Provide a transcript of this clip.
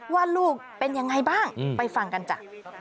ว่าลูกเป็นยังไงบ้างไปฟังกันจ้ะ